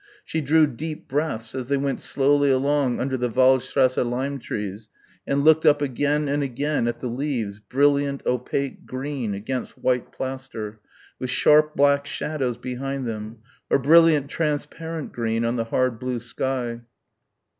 She drew deep breaths as they went slowly along under the Waldstrasse lime trees and looked up again and again at the leaves brilliant opaque green against white plaster with sharp black shadows behind them, or brilliant transparent green on the hard blue sky.